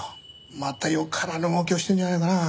またよからぬ動きをしてるんじゃないかなあ。